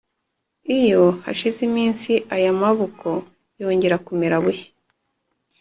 . Iyo hashize iminsi aya maboko yongera kumera bushya.